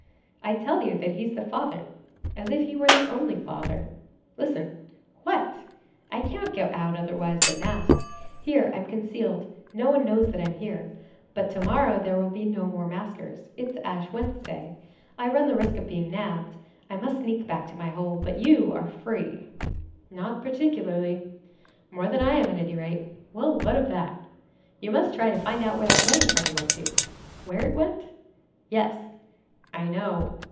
"I tell you that he's the father." "As if he were the only father." "Listen." "What?" "I can't go out otherwise than masked. Here I'm concealed, no one knows that I'm here. But to morrow, there will be no more maskers. It's Ash Wednesday. I run the risk of being nabbed. I must sneak back into my hole. But you are free." "Not particularly." "More than I am, at any rate." "Well, what of that?" "You must try to find out where that wedding party went to." "Where it went?" "Yes." "I know."